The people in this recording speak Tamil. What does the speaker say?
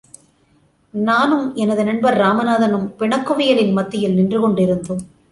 நானும் எனது நண்பர் இராமநாதனும் பிணக்குவியலின் மத்தியில் நின்று கொண்டு இருந்தோம்.